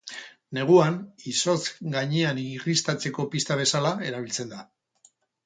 Neguan, izotz gainean irristatzeko pista bezala erabiltzen da.